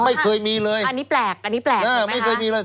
ไม่เคยมีเลยอันนี้แปลกอันนี้แปลกเออไม่เคยมีเลย